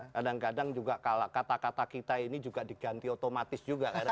kadang kadang juga kata kata kita ini juga diganti otomatis juga